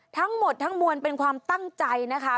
ทั้งหมดทั้งมวลเป็นความตั้งใจนะคะ